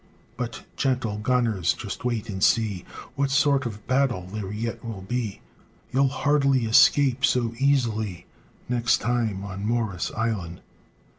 VIII But, gentle gunners, just wait and see What sort of a battle there yet will be; You'll hardly escape so easily, Next time on Morris' Island!